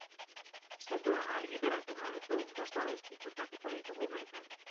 Sekula argitaratu gabeko bost abesti topatuko ditugu bertan.